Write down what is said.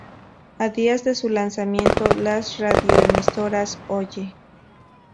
A días de su lanzamiento, las radioemisoras Oye!